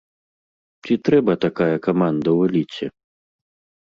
Ці трэба такая каманда ў эліце?